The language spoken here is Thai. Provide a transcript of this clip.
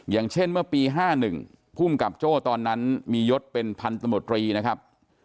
อย่างเช่นเมื่อปี๕๑ภูมิกับโจ้ตอนนั้นมียศเป็นพันธมตรีนะครับ